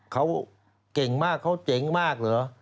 เขาเก่งมากเขาเจ๊งมาก